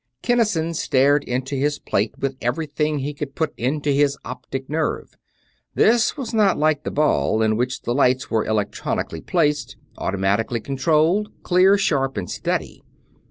Kinnison stared into his plate with everything he could put into his optic nerve. This was not like the Ball, in which the lights were electronically placed, automatically controlled, clear, sharp, and steady.